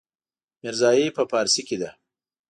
ميرزايي په پارسي کې ده.